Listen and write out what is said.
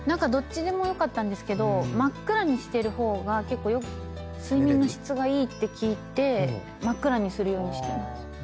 どっちでもよかったんですけど真っ暗にしてる方が結構睡眠の質がいいって聞いて真っ暗にするようにしてます。